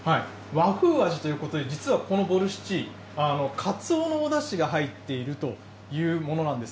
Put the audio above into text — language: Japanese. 和風味ということで、実はこのボルシチ、かつおのおだしが入っているというものなんです。